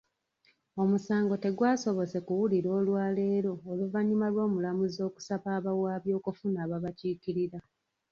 Omusango tegwasobose kuwulirwa olwaleero oluvannyuma lw’omulamuzi okusaba abawaabi okufuna ababakiikirira.